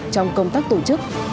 trong công tác tổ chức